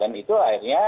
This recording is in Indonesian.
dan itu akhirnya